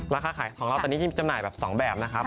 ราคาขายของเราตอนนี้ที่จำหน่ายแบบ๒แบบนะครับ